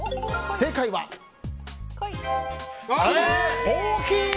正解はＣのコーヒー。